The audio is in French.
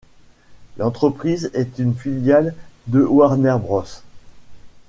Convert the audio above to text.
L'entreprise est une filiale de Warner Bros.